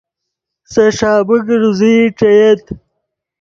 سے ݰابیک روزئی ݯییت